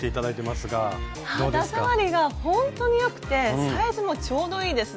肌触りがほんとによくてサイズもちょうどいいです。